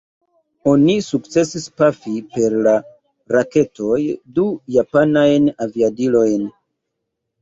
Oni sukcesis pafi per la raketoj du japanajn aviadilojn.